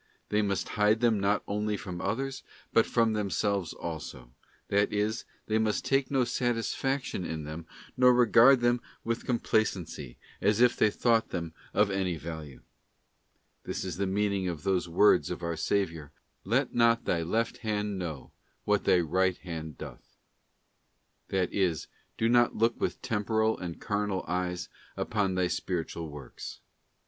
They must hide them not only from others, but from themselves also; that is, they must take no satisfaction in them nor regard them with complacency, as if they thought them of any value. This is the meaning of those words of our Saviour: ' Let not thy left hand know what thy right hand doth.'f That is, do not look with temporal and carnal eyes upon thy spiritual works.